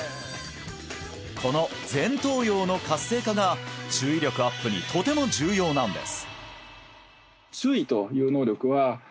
この前頭葉の活性化が注意力アップにとても重要なんです